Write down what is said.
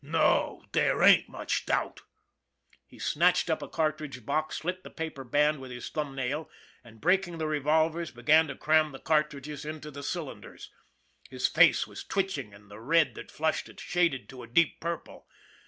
" No, there ain't much doubt !" He snatched up a cartridge box, slit the paper band with his thumb nail, and, breaking the revolvers, be gan to cram the cartridges into the cylinders. His face was twitching and the red that flushed it shaded to a deep purple.